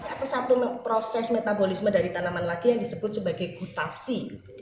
ada satu proses metabolisme dari tanaman lagi yang disebut sebagai gutasi